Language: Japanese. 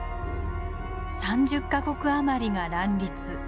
３０か国余りが乱立。